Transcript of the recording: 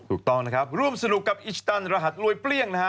ถูกต้องนะครับร่วมสนุกกับอิชตันรหัสรวยเปรี้ยงนะฮะ